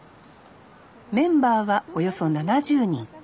メンバーはおよそ７０人。